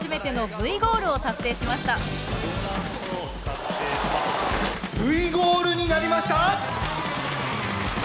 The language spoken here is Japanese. Ｖゴールになりました！